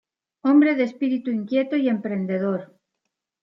Hombre de espíritu inquieto y emprendedor.